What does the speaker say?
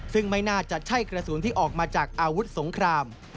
ซึ่งไม่น่าจะใช่กระสุนที่ออกมาจากอาวุธสงคราม